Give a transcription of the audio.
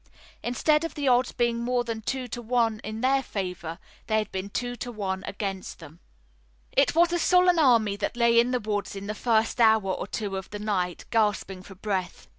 Instead of the odds being more than two to one in their favor, they had been two to one against them. It was a sullen army that lay in the woods in the first hour or two of the night, gasping for breath.